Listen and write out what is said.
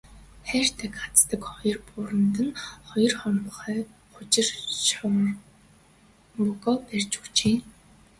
Хайрдаг хаздаг хоёр бууранд нь хоёр хормой хужир шорвогоо тавьж өгчээ.